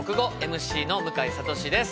ＭＣの向井慧です。